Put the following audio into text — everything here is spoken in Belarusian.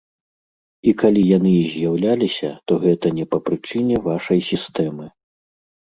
А калі яны і з'яўляліся, то гэта не па прычыне вашай сістэмы.